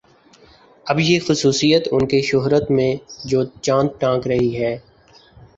اب یہ خصوصیت ان کی شہرت میں جو چاند ٹانک رہی ہے